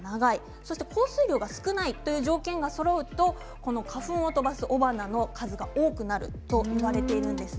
そして降水量が少ないという条件がそろうと花粉を飛ばす雄花の数が多くなるといわれています。